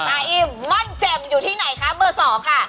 อาอิมมั่นเจ็บอยู่ที่ไหนคะเบอร์๒ค่ะ